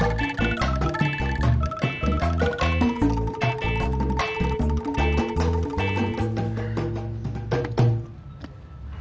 tapi banyak yang luar biasa nih man